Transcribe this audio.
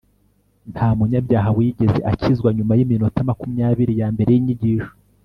nta munyabyaha wigeze akizwa nyuma yiminota makumyabiri yambere yinyigisho